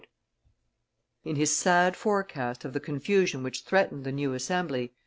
In his sad forecast of the confusion which threatened the new Assembly, M.